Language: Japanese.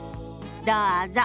どうぞ。